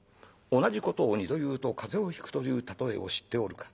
同じことを二度言うと風邪をひくという例えを知っておるか？